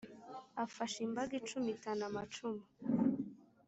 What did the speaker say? afasha imbaga icumitana amacumu!